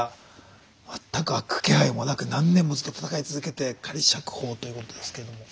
全く開く気配もなく何年もずっと闘い続けて仮釈放ということですけども。